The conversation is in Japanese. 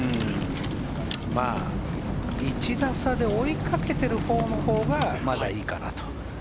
１打差で追いかけてるほうがまだいいかなと。